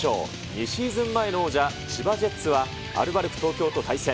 ２シーズン前の王者、千葉ジェッツはアルバルク東京と対戦。